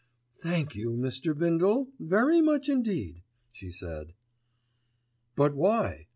"Thank you, Mr. Bindle, very much indeed," she said. "But why?"